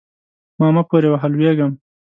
ما مه پورې وهه؛ لوېږم.